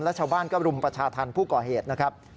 แล้วชาวบ้านก็รุมประชาธรรมผู้ก่อเหตุนะครับ